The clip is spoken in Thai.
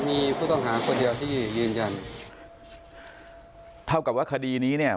มีผู้ต้องหาคนเดียวที่ยืนยันเท่ากับว่าคดีนี้เนี่ย